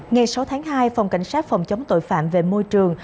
ngày sáu tháng hai phòng cảnh sát phòng chống tội phạm về môi trường